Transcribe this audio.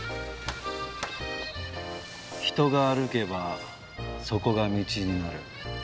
「人が歩けばそこが道になる」。